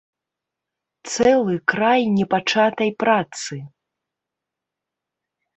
Цэлы край непачатай працы!